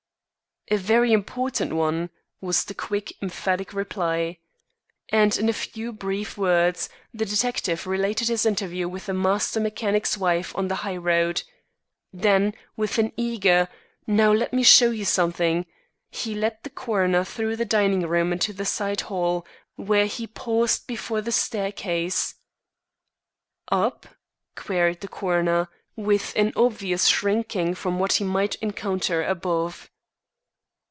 "A very important one," was the quick, emphatic reply. And in a few brief words the detective related his interview with the master mechanic's wife on the highroad. Then with an eager, "Now let me show you something," he led the coroner through the dining room into the side hall, where he paused before the staircase. "Up?" queried the coroner, with an obvious shrinking from what he might encounter above.